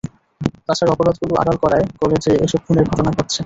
তাছাড়া অপরাধগুলো আড়াল করায় কলেজে এসব খুনের ঘটনা ঘটেছে।